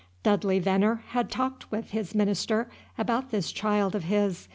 Dudley Venner had talked with his minister about this child of his.